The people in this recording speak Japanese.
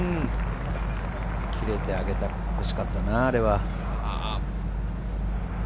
決めてあげてほしかったな、あれは。